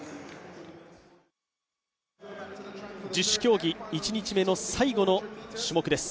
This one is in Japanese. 十種競技、１日目の最後の種目です。